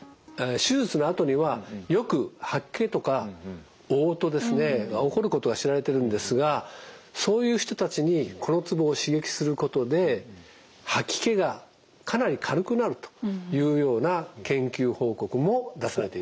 手術のあとにはよく吐き気とかおう吐が起こることが知られてるんですがそういう人たちにこのツボを刺激することで吐き気がかなり軽くなるというような研究報告も出されています。